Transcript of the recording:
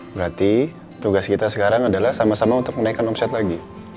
berarti tugas kita sekarang adalah sama sama untuk menaikkan omset lagi